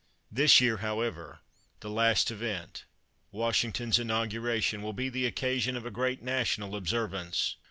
This year, however, the last event, Washington's inauguration, will be the occasion of a great national observance.